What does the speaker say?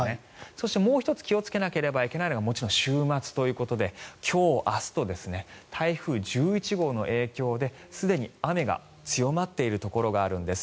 そして、もう１つ気をつけなければいけないのはもちろん週末ということで今日、明日と台風１１号の影響ですでに雨が強まっているところがあるんです。